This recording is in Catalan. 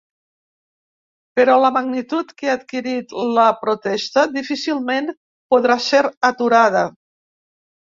Però la magnitud que ha adquirit la protesta difícilment podrà ser aturada.